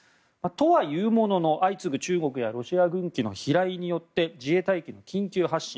とはいうものの、相次ぐ中国やロシア軍機の飛来によって自衛隊機の緊急発進